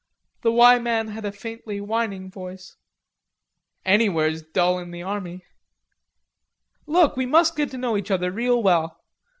The "Y" man had a faintly whining voice. "Anywhere's dull in the army." "Look, we must get to know each other real well.